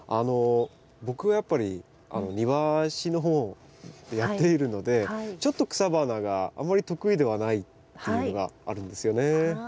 僕はやっぱり庭師の方でやっているのでちょっと草花があんまり得意ではないっていうのがあるんですよね。